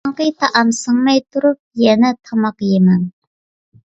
ئالدىنقى تائام سىڭمەي تۇرۇپ يەنە تاماق يېمەڭ.